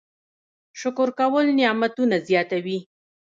شکر کول نعمتونه زیاتوي